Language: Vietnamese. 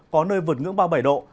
có nơi vượt ngưỡng ba mươi bảy độ